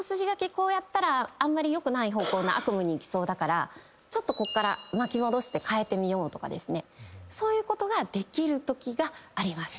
こうやったらあんまり良くない方向な悪夢に行きそうだからちょっとここから巻き戻して変えてみようとかそういうことができるときがあります。